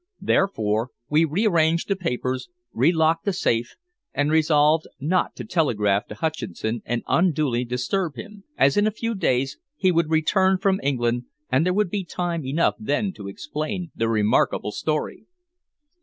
Therefore, we re arranged the papers, re locked the safe and resolved not to telegraph to Hutcheson and unduly disturb him, as in a few days he would return from England, and there would be time enough then to explain the remarkable story.